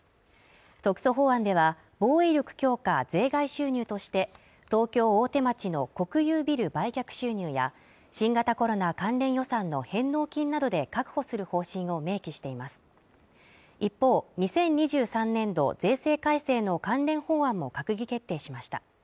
特措法案では防衛力強化税外収入として東京大手町の国有ビル売却収入や新型コロナ関連予算の返納金などで確保する方針を明記しています一方２０２３年度税制改正の関連法案も閣議決定しました